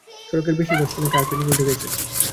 সড়কের বেশির ভাগ স্থানে কার্পেটিং উঠে গেছে।